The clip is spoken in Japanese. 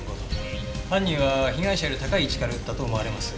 犯人は被害者より高い位置から撃ったと思われます。